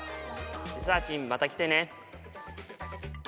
リサーちんまた来てね